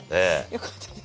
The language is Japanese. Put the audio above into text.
よかったです。